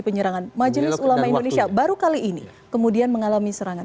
penyerangan majelis ulama indonesia baru kali ini kemudian mengalami serangan